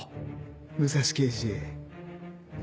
武蔵刑事。